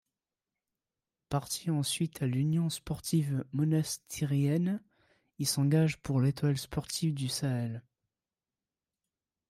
Parti ensuite à l'Union sportive monastirienne, il s'engage pour l'Étoile sportive du Sahel.